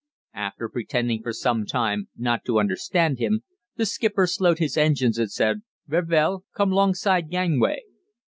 After pretending for some time not to understand him, the skipper slowed his engines and said, 'Ver vel, come 'longside gangway.'